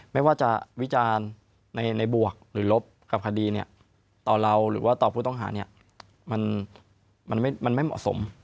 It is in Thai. ไม่ว่าจะวิจารณ์ในบวกหรือลบกับคดีต่อเราหรือว่าต่อผู้ต้องหามันไม่เหมาะสม